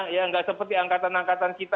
yang tidak seperti angkatan angkatan kita